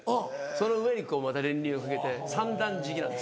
その上にこうまた練乳をかけて３段敷きなんです。